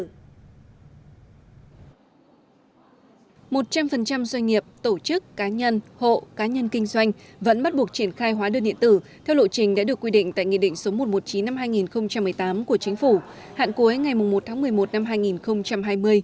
một trăm linh doanh nghiệp tổ chức cá nhân hộ cá nhân kinh doanh vẫn bắt buộc triển khai hóa đơn điện tử theo lộ trình đã được quy định tại nghị định số một trăm một mươi chín năm hai nghìn một mươi tám của chính phủ hạn cuối ngày một tháng một mươi một năm hai nghìn hai mươi